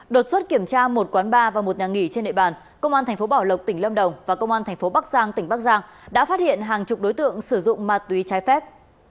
đột xuất kiểm tra một quán bar và một nhà nghỉ trên nệ bàn công an tp bảo lộc tỉnh lâm đồng và công an tp bắc giang tỉnh bắc giang đã phát hiện hàng chục đối tượng sử dụng ma túy trái phép